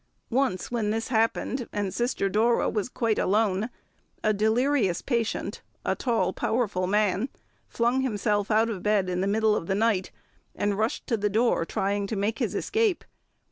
Once when this had happened, and Sister Dora was quite alone, a delirious patient, a tall, powerful man, flung himself out of bed in the middle of the night, and rushed to the door trying to make his escape.